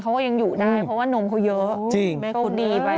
เขาก็ยังอยู่ได้เพราะว่านมเขาเยอะ